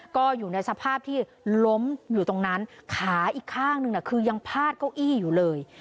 ก็อยู่ในสภาพที่ล้มอยู่ตรงนั้นขาอีกข้างนึงคือยังพาดเก้าอี้อยู่เลย